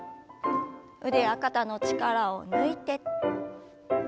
腕や肩の力を抜いて。